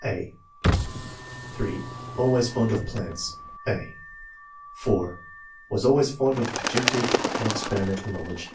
(a) (3) " Always fond of plants." (a) (4) Was always fond of objective and experi mental knowledge.